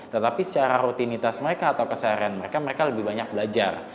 tetapi secara rutinitas mereka atau keseharian mereka mereka lebih banyak belajar